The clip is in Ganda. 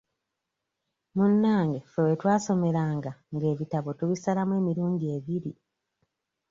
Munnange ffe we twasomeranga ng'ebitabo tubisalamu emirundi ebiri.